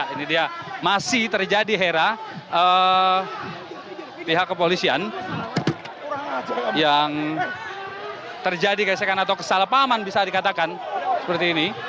ini dia masih terjadi hera pihak kepolisian yang terjadi gesekan atau kesalahpahaman bisa dikatakan seperti ini